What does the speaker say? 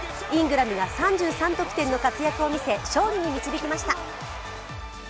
イングラムが３３得点の活躍を見せ勝利に導きました。